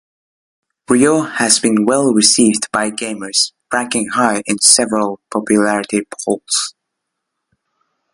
Ryo has been well received by gamers, ranking high in several popularity polls.